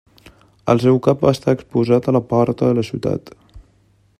El seu cap va estar exposat a la porta de la ciutat.